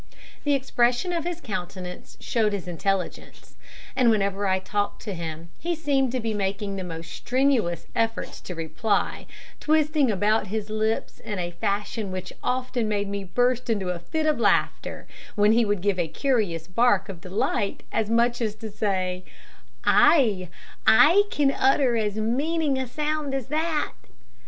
The expression of his countenance showed his intelligence; and whenever I talked to him he seemed to be making the most strenuous efforts to reply, twisting about his lips in a fashion which often made me burst into a fit of laughter, when he would give a curious bark of delight, as much as to say, "Ay, I can utter as meaning a sound as that."